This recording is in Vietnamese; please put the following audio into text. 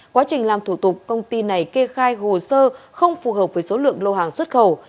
quá trình làm thủ tục công ty này kê khai hồ sơ không phù hợp với số lượng lô hàng xuất khẩu